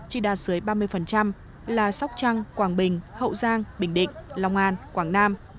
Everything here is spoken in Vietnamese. chỉ đạt dưới ba mươi là sóc trăng quảng bình hậu giang bình định long an quảng nam